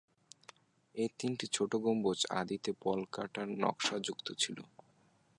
এ তিনটি ছোট গম্বুজ আদিতে পলকাটা নকশাযুক্ত ছিল।